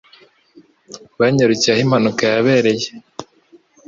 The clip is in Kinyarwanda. Banyarukiye aho impanuka yabereye.